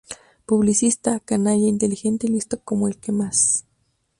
Publicista, canalla, inteligente y listo como el que más.